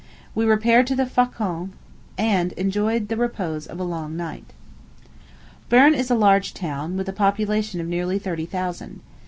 We repaired to the Faucon, and enjoyed the repose of a long night. Berne is a large town, with a population of nearly thirty thousand.